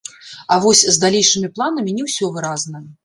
А вось з далейшымі планамі не ўсё выразна.